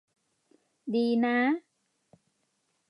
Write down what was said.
ดีนะ